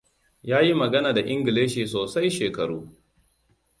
Ya yi magana da Ingilishi sosai shekaru.